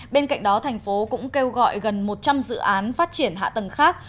bên cạnh đó thành phố cũng kêu gọi gần một trăm linh dự án phát triển hạ tầng khác